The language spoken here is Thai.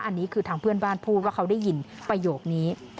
อันนี้คือทางเพื่อนบ้านพูดว่าเขาได้ยินประโยคนี้